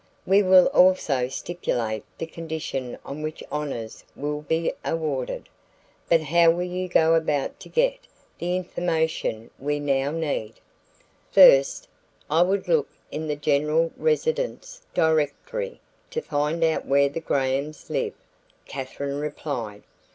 We will also stipulate the condition on which honors will be awarded. But how will you go about to get the information we now need?" "First, I would look in the general residence directory to find out where the Grahams live," Katherine replied.